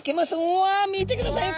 おわ見てください